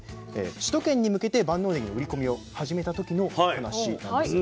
首都圏に向けて万能ねぎの売り込みを始めた時の話なんです。